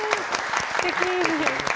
すてき。